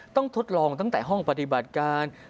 ทดลองตั้งแต่ห้องปฏิบัติการ